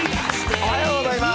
おはようございます。